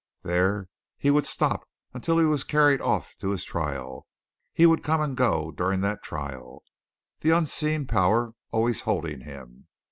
There he would stop until he was carried off to his trial; he would come and go during that trial, the unseen power always holding him.